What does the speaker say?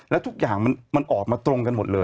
แล้วทุกอย่างมันออกมาตรงกันหมดเลย